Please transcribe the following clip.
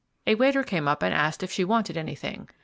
A waiter came up and asked if she wanted anything.